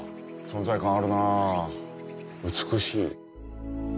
存在感あるな美しい。